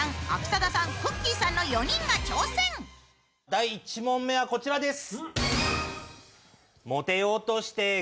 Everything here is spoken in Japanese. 第１問目はこちらです。